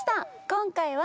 今回は。